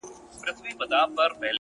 هره ورځ د اغېز نوې صحنه ده!